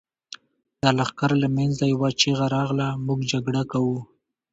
د لښکر له مينځه يوه چيغه راغله! موږ جګړه کوو.